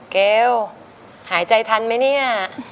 เกวหายใจทันมั้ยเนี่ย